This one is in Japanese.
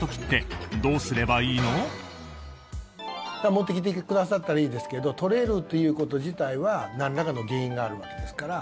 持ってきてくださったらいいですけど取れるということ自体はなんらかの原因があるわけですから。